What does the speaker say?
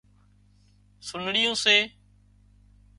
سُنڙيون سي